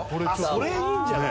それいいんじゃない？